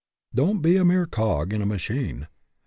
Don't be a mere cog in a machine.